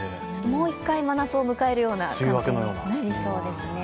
もう一回真夏を迎える感じになりそうですね。